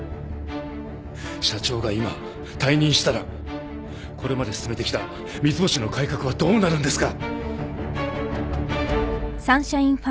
社長が今退任したらこれまで進めてきた三ツ星の改革はどうなるんですか！？